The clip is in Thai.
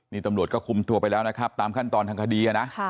นี่ตำรวจก็คุมตัวไปแล้วนะครับตามขั้นตอนทางคดีนะ